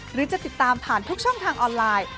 หรือจะติดตามผ่านทุกช่องทางออนไลน์